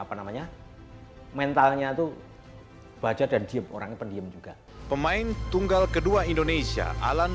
apa namanya mentalnya itu baja dan diem orangnya pendiem juga pemain tunggal kedua indonesia alan